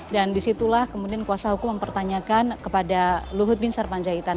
dan disitulah kemudian kuasa hukum mempertanyakan kepada luhut bin sarpanjaitan